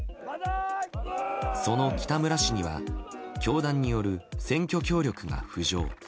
その北村氏には教団による選挙協力が浮上。